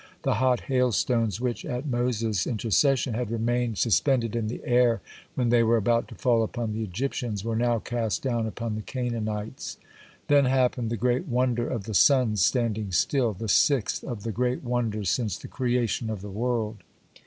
The hot hailstones which, at Moses' intercession, had remained suspended in the air when they were about to fall upon the Egyptians, were now cast down upon the Canaanites. (38) Then happened the great wonder of the sun's standing still, the sixth (39) of the great wonders since the creation of the world.